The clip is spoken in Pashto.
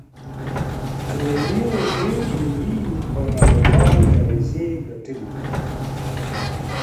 کویلیو ډیر ملي او نړیوال جایزې ګټلي دي.